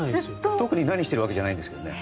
特に何してるわけじゃないんですけどね。